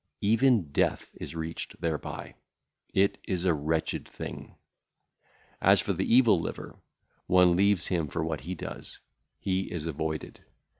Even death is reached thereby; it is a wretched thing. As for the evil liver, one leaveth him for what he doeth, he is avoided.